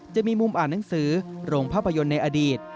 จะมีมุมอ่านหนังสือโรงภาพยนตร์ในอดีต